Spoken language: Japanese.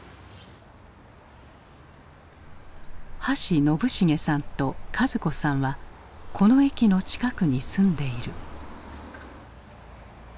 橋宣茂さんと一子さんはこの駅の近くに住んでいる。